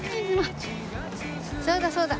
そうだそうだ。